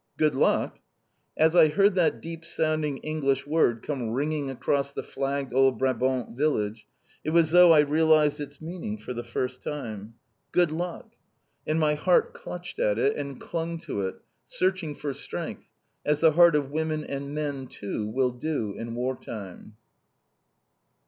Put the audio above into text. "Good luck!" As I heard that deep sounding English word come ringing across the flagged old Brabant village, it was as though I realised its meaning for the first time. "Good luck!" And my heart clutched at it, and clung to it, searching for strength, as the heart of women and men too will do in war time!